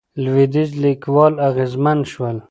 لوېدیځ لیکوال اغېزمن شول.